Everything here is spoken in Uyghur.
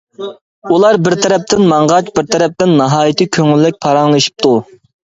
ئۇلار بىر تەرەپتىن ماڭغاچ، بىر تەرەپتىن ناھايىتى كۆڭۈللۈك پاراڭلىشىپتۇ.